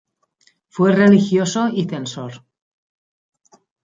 Fue religioso y censor.